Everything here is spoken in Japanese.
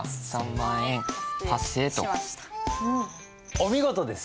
お見事です！